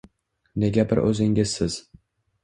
- Nega bir o'zingizsiz?